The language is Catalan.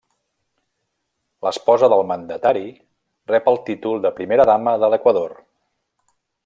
L'esposa del mandatari rep el títol de Primera Dama de l'Equador.